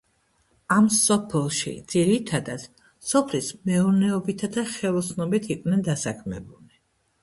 ამ სოფელში ძირითადად სოფლის მეურნეობითა და ხელოსნობით იყვნენ დასაქმებულნი.